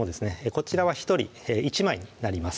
こちらは１人１枚になります